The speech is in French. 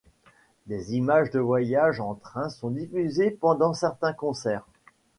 Des images de voyages en train sont diffusées pendant certains concerts.